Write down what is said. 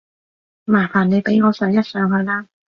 麻煩你俾我上一上去啦